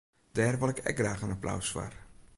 Dêr wol ik ek graach in applaus foar.